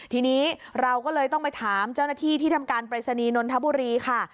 ทีนี้เราก็เลยต้องไปถามเจ้าหน้าที่ที่ทำการปรายศนีย์นนทบุรีค่ะ